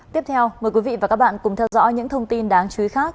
tiếp theo mời quý vị và các bạn cùng theo dõi những thông tin đáng chú ý khác